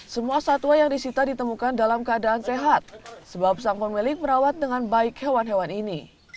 semua satwa yang disita ditemukan dalam keadaan sehat sebab sang pemilik merawat dengan baik hewan hewan ini